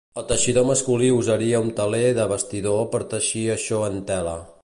El teixidor masculí usaria un teler de bastidor per teixir això en tela.